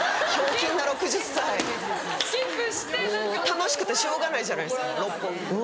楽しくてしょうがないじゃないですか六本木。